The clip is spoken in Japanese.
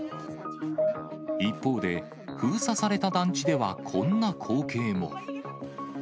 一方で、封鎖された団地ではこんな光景も。